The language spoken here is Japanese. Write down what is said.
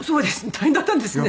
大変だったんですね。